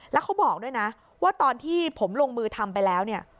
แล้วเขาบอกด้วยนะว่าตอนที่ผมลงมือทำไปแล้วเนี่ย